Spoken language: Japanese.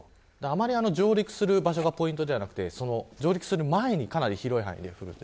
上陸する場所がポイントではなくて上陸する前にかなり広い範囲で降る。